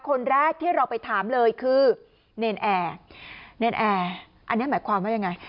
คนแรกที่เราไปถามเลยคือเนรนแอร์เนรนแอร์อันนี้หมายความว่ายังไง